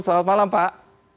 selamat malam pak